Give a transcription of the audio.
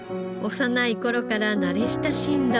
幼い頃から慣れ親しんだ桃。